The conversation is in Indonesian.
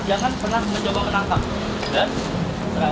jangan pernah mencoba menangkap